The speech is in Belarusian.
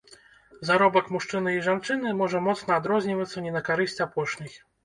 Заробак мужчыны і жанчыны можа моцна адрознівацца не на карысць апошняй.